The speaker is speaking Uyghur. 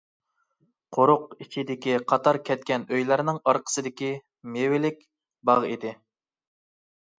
قورۇق ئىچىدىكى قاتار كەتكەن ئۆيلەرنىڭ ئارقىسى مېۋىلىك باغ ئىدى.